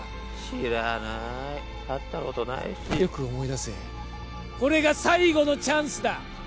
知らない会ったことないしよく思い出せこれが最後のチャンスだ